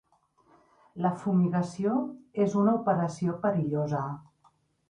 La fumigació és una operació perillosa.